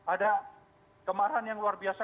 ada kemarahan yang luar biasa